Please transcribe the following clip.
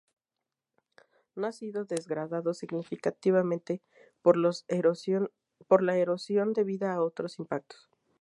No ha sido degradado significativamente por la erosión debida a otros impactos.